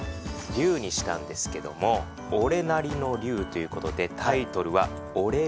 龍にしたんですけどもおれなりの龍という事でタイトルは「オレ龍」です。